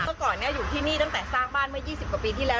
เมื่อก่อนอยู่ที่นี่ตั้งแต่สร้างบ้านเมื่อ๒๐กว่าปีที่แล้ว